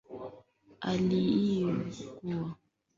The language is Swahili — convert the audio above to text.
hali hii huaminika kusababisha